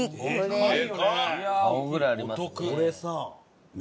顔ぐらいありますね。